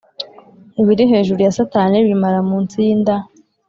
ibiri hejuru ya satani bimara munsi yinda.